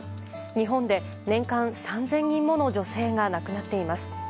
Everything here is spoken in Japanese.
日本で年間３０００人もの女性が亡くなっています。